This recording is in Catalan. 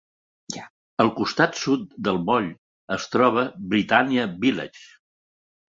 Al costat sud del Moll es troba Britannia Village.